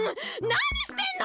なにしてんの！？